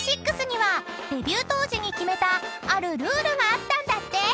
［Ｖ６にはデビュー当時に決めたあるルールがあったんだって］